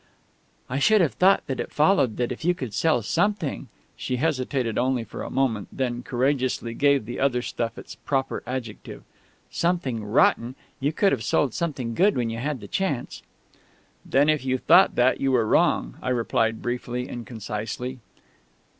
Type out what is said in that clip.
"I should have thought that it followed that if you could sell something " she hesitated only for a moment, then courageously gave the other stuff its proper adjective, " something rotten, you could have sold something good when you had the chance." "Then if you thought that you were wrong," I replied briefly and concisely.